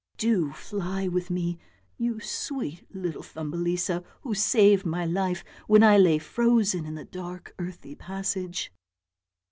Do fly with me, you sweet little Thumbelisa, who saved my life when I lay frozen in the dark earthy passage."